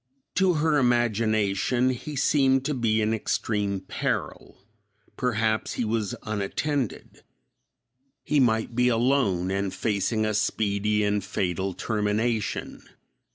To her imagination he seemed to be in extreme peril; perhaps he was unattended; he might be alone and facing a speedy and fatal termination.